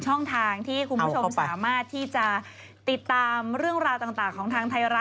ตอนนี้ก็มีนี่เลย